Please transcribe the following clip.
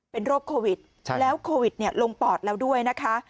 เป็นโรคโควิดแล้วโควิดลงปอดแล้วด้วยนะคะ